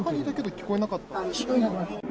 聞こえなかった。